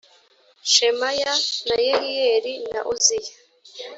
shemaya na yehiyeli na uziya